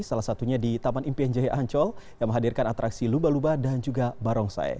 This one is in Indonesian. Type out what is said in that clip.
salah satunya di taman impian jaya ancol yang menghadirkan atraksi lumba lumba dan juga barongsai